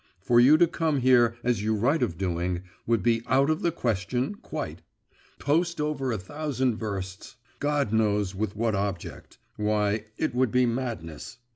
For you to come here, as you write of doing, would be out of the question, quite. Post over a thousand versts, God knows with what object why, it would be madness!